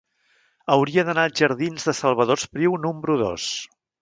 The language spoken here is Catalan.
Hauria d'anar als jardins de Salvador Espriu número dos.